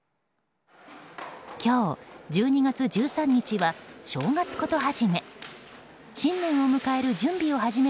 今日、１２月１３日は正月事始め。